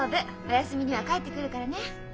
お休みには帰ってくるからね。